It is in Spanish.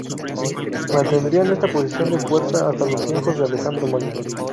Mantendrían esta posición de fuerza hasta los tiempos de Alejandro Magno.